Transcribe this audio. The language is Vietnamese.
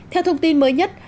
theo thông tin mới nhất